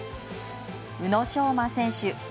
宇野昌磨選手。